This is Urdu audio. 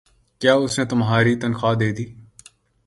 ۔کیا اس نے تمہار تنخواہ دیدی؟